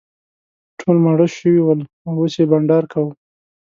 ټول ماړه شوي ول او اوس یې بانډار کاوه.